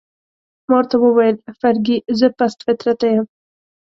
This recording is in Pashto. ما ورته وویل: فرګي، زه پست فطرته یم؟